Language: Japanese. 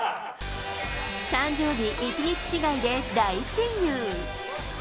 誕生日１日違いで大親友。